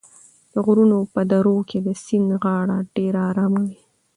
د غرونو په درو کې د سیند غاړه ډېره ارامه وي.